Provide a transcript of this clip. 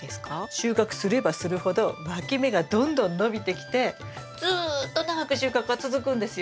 収穫すればするほどわき芽がどんどん伸びてきてずっと長く収穫が続くんですよ。